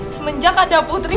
semenjak ada putri